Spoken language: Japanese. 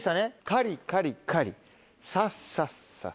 カリカリカリサッサッサ。